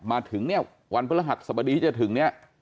มาถึงวันพระรหัสสบดีที่จะถึงนี้